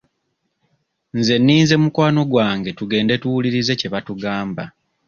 Nze nninze mukwano gwange tugende tuwulirize kye batugamba.